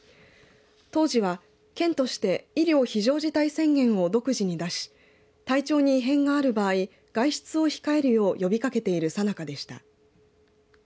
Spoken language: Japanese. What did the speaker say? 当時は県として医療非常事態宣言を独自に出し体調に異変がある場合外出を控えるよう呼びかけているさなかでした。